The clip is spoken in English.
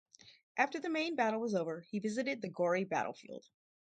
After the main battle was over, he visited the gory battlefield.